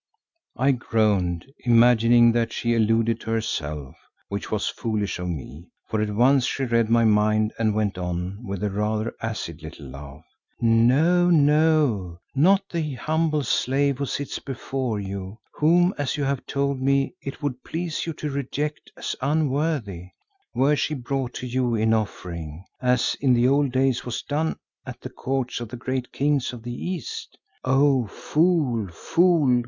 I groaned, imagining that she alluded to herself, which was foolish of me, for at once she read my mind and went on with a rather acid little laugh, "No, no, not the humble slave who sits before you, whom, as you have told me, it would please you to reject as unworthy were she brought to you in offering, as in the old days was done at the courts of the great kings of the East. O fool, fool!